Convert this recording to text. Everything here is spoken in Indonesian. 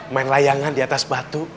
main layangan diatas batu